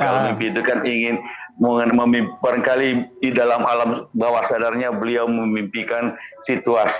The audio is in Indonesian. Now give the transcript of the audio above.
kalau mimpi itu kan ingin memimpi di dalam alam bawah sadarnya beliau memimpikan situasi